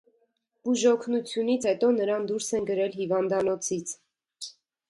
Բուժօգնությունից հետո նրան դուրս են գրել հիվանդանոցից։